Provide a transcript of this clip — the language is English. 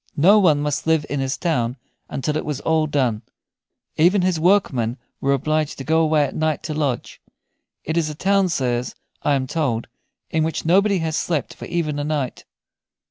No one must live in his town until it was all done. Even his workmen were obliged to go away at night to lodge. It is a town, sirs, I am told, in which nobody has slept for even a night.